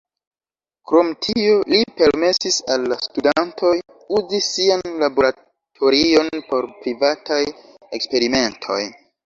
Krom tio, li permesis al la studantoj uzi sian laboratorion por privataj eksperimentoj.